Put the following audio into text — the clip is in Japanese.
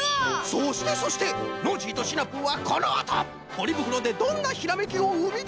そしてそしてノージーとシナプーはこのあとポリぶくろでどんなひらめきをうみだすのか！？